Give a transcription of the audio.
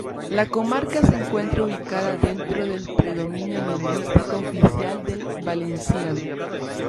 La comarca se encuentra ubicada dentro del predominio lingüístico oficial del valenciano.